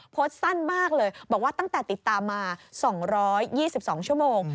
โพสต์สั้นมากเลยบอกว่าตั้งแต่ติดตามมา๒๒ชั่วโมง